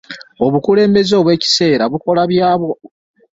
Obukulembeze obw'ekiseera bukola byabyo.